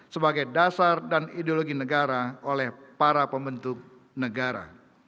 sebagai dasar dan ideologi negara oleh para pembentuk negara